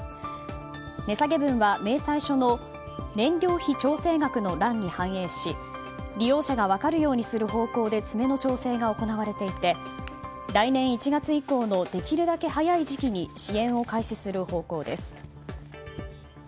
値下げ分は明細書の燃料費調整額の欄に反映し利用者が分かるようにする方向で詰めの調整が行われていて、来年１月以降のできるだけ早い時期に支援を開始する方向です。